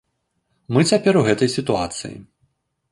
Мы цяпер у гэтай сітуацыі.